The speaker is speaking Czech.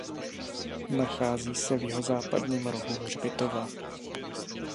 Nachází se v jihozápadním rohu hřbitova.